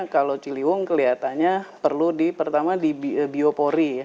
kalau ciliwung kelihatannya perlu di pertama di biopori ya